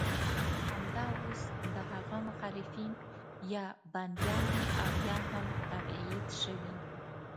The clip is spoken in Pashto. همدا اوس د هغه مخالفین یا بندیان دي او یا هم تبعید شوي.